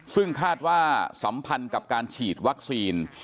ซึ่งคาดว่าสัมพันธ์กับการฉีดวัคซีน